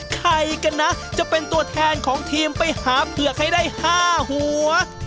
ใครกันนะจะเป็นตัวแทนของทีมไปหาเผือกให้ได้๕หัว